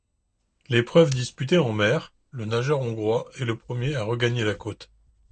L'épreuve disputée en mer, le nageur hongrois est le premier à regagner la côte.